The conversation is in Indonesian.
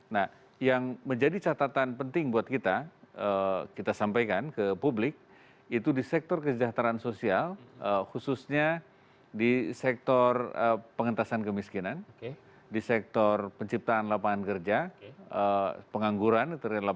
nah yang menjadi catatan penting buat kita kita sampaikan ke publik itu di sektor kesejahteraan sosial khususnya di sektor pengentasan kemiskinan di sektor penciptaan lapangan kerja pengangguran